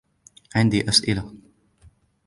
عندي أسئلة.